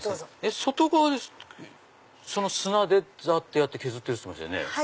外側砂でざってやって削ってるって言ってましたね。